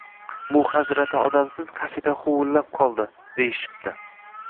bu hazrati odamsiz kafedra huvillab qoldi, deyishib.